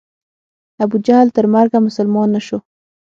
ابو جهل تر مرګه مسلمان نه سو.